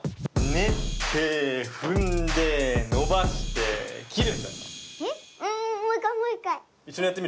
ねってふんでのばしてきる！